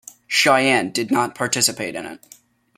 Chayanne did not participate in it.